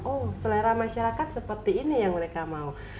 oh selera masyarakat seperti ini yang mereka mau